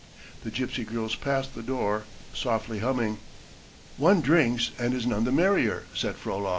The gypsy girls passed the door, softly humming. "One drinks and is none the merrier," said Frolov.